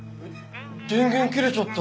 電源切れちゃった。